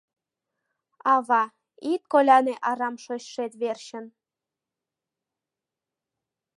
Ава, ит коляне арам шочшет верчын: